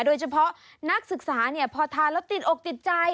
โดยเฉพาะนักศึกษาพอทานแล้วติดอกติดใจ